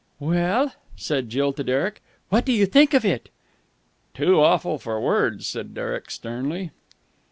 "Well?" said Jill to Derek. "What do you think of it?" "Too awful for words," said Derek sternly.